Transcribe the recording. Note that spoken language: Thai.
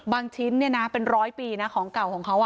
ชิ้นเนี่ยนะเป็นร้อยปีนะของเก่าของเขา